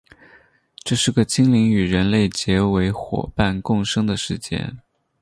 这是个精灵与人类结为夥伴共生的世界。